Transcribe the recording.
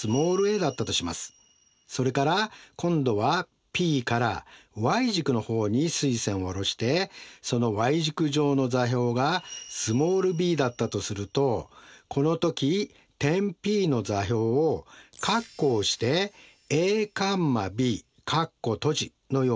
それから今度はＰからｙ軸の方に垂線を下ろしてそのｙ軸上の座標がスモールｂだったとするとこの時点Ｐの座標を括弧をしてａ，ｂ括弧閉じのように表します。